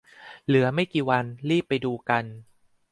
เหลือไม่กี่วัน รีบไปดูกัน